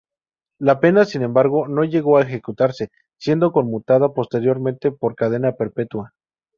La pena, sin embargo, no llegó a ejecutarse, siendo conmutada posteriormente por cadena perpetua.